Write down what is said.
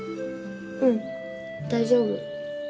うん大丈夫。